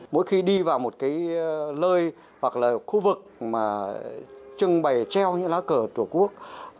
mỗi khi đi vào một cái lơi hoặc là khu vực mà trưng bày treo những lá cờ tổ quốc